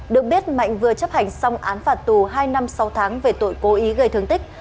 được biết mạnh vừa chấp hành xong án phạt tù hai năm sáu tháng về tội cố ý gây thương tích